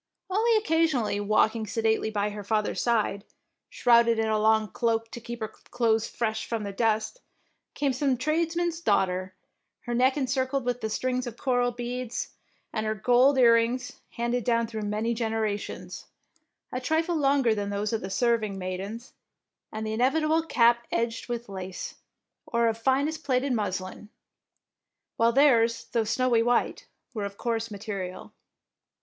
Only occasionally, walking sedately by her father's side, shrouded in a long cloak to keep her clothes fresh from the dust, came some tradesman's daughter, her neck encircled with strings of coral beads, and her gold earrings, handed down through many generations, a trifie longer than those of the serving maidens, and the inevi table cap edged with lace, or of finest plaited muslin, while theirs, though snowy white, were of coarse material.